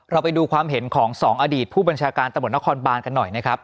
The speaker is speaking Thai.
ไปดูความเห็นของสองอดีตผู้บัญชาการตำรวจนครบานกันหน่อยนะครับ